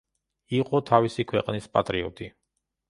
იყო თავისი ქვეყნის პატრიოტი.